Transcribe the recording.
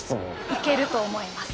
いけると思います。